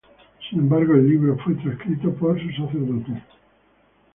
Sin embargo, el libro fue transcrito por su sacerdote.